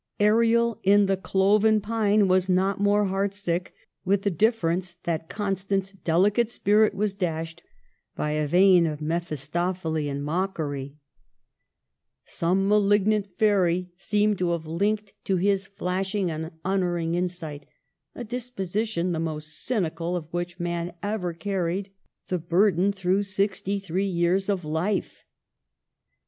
Ariel in the cloven pine was not more heart sick, with the dif ference that Constant's " delicate " spirit was dashed by a vein of mephistophelian mockery. Digitized by VjOOQLC THE TRANSFORMED CAPITAL. 85 Some malignant fairy seemed to have linked to his flashing and unerring insight a disposition the most cynical of which man ever carried the bur den through sixty three years of life.